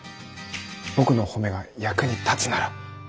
僕の褒めが役に立つなら。